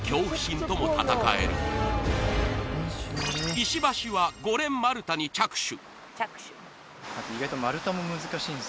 石橋は５連丸太に着手